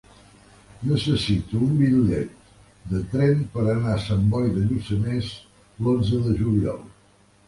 Necessito un bitllet de tren per anar a Sant Boi de Lluçanès l'onze de juliol.